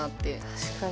確かに。